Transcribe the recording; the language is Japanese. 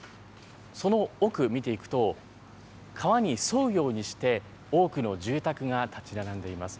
その奥見ていくと、川に沿うようにして多くの住宅が建ち並んでいます。